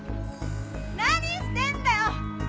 何してんだよ！？